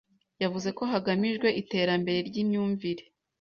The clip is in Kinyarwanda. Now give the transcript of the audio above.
yavuze ko hagamijwe iterambere ryimyumvire